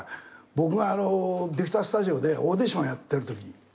僕がビクタースタジオでオーディションやってるとき。